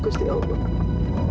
kamu tenang fatimah